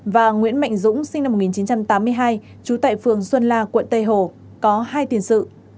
và nguyễn mạnh dũng sinh năm một nghìn chín trăm tám mươi hai trú tại phường xuân la quận tây hồ có hai tiền sự